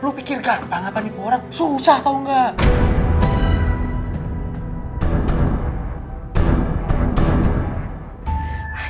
lu pikir gampang apa nipu orang susah tau gak